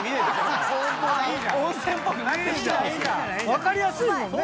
分かりやすいもんね。